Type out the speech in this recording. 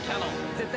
絶対